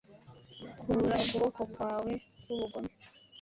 kura ukuboko kwawe kwubugome,